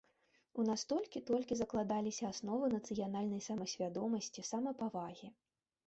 У нас толькі-толькі закладаліся асновы нацыянальнай самасвядомасці, самапавагі.